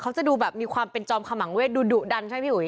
เขาจะดูแบบมีความเป็นจอมขมังเวทดูดุดันใช่ไหมพี่อุ๋